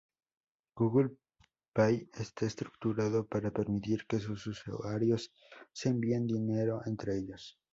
Google Pay está estructurado para permitir que sus usuarios se envíen dinero entre ellos.